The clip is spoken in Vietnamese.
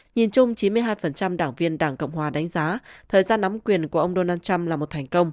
nhìn chung chín mươi hai đảng viên đảng cộng hòa đánh giá thời gian nắm quyền của ông donald trump là một thành công